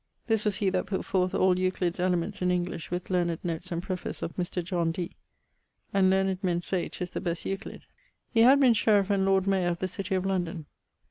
This was he that putt forth all Euclid's Elements in English with learned notes and preface of Mr. John Dee, and learned men say 'tis the best Euclid. He had been sheriff and Lord Mayor of the city of London.